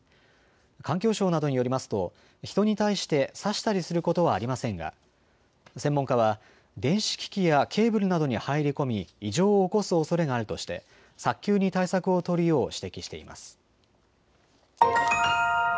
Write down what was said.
環境省などによりますと人に対して刺したりすることはありませんが専門家は電子機器やケーブルなどに入り込み異常を起こすおそれがあるとして早急に対策を取るよう指摘しています。